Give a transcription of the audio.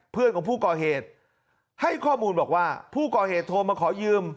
เพื่อนของผู้ก่อเหตุให้ข้อมูลบอกว่าผู้ก่อเหตุโทรมาขอยืม